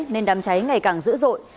nên đám cháy ngày càng dữ dội